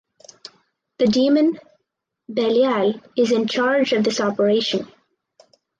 The demon Belial is in charge of this operation.